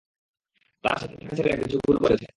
তার সাথে থাকা ছেলেরা কিছু ভুল করেছে।